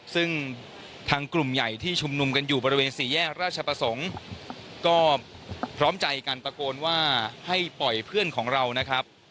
ซึ่งทางกลุ่มใหญ่ที่ชุมนุมกันอยู่บริเวณสี่แยกราชประสงค์ก็พร้อมใจกันตะโกนว่าให้ปล่อยเพื่อนของเรานะครับ